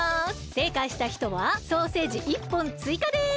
せいかいしたひとはソーセージ１ぽんついかです！